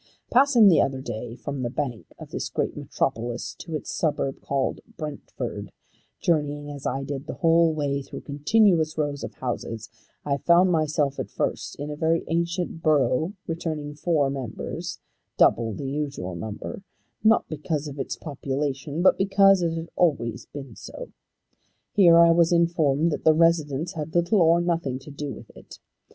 Passing the other day from the Bank of this great metropolis to its suburb called Brentford, journeying as I did the whole way through continuous rows of houses, I found myself at first in a very ancient borough returning four members, double the usual number, not because of its population but because it has always been so. Here I was informed that the residents had little or nothing to do with it.